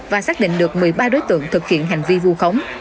và xác định được một mươi ba đối tượng thực hiện hành vi vu khống